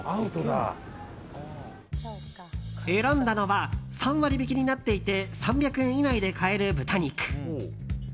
選んだのは３割引きになっていて３００円以内で買える豚肉。